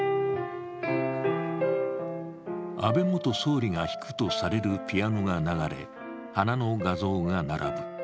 安倍元総理が弾くとされるピアノが流れ、花の画像が並ぶ。